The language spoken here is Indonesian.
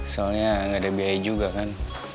soalnya nggak ada biaya juga kan